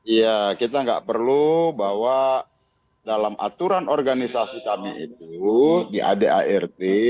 iya kita nggak perlu bahwa dalam aturan organisasi kami itu di adart